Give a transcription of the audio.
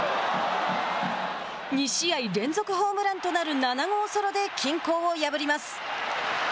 ２試合連続ホームランとなる７号ソロで均衡を破ります。